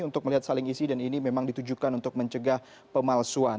untuk melihat saling isi dan ini memang ditujukan untuk mencegah pemalsuan